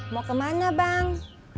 mau kemana bang